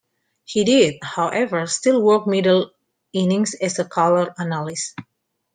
He did, however, still work middle innings as a color analyst.